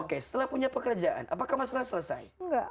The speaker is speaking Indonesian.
oke setelah punya pekerjaan apakah masalah selesai